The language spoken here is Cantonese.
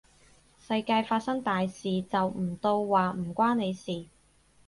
世界發生大事，就唔到話唔關你事